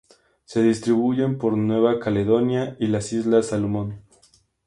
Se distribuyen por Nueva Caledonia y las Islas Salomón.